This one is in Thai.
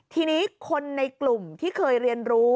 ทีนี้คนในกลุ่มที่เคยเรียนรู้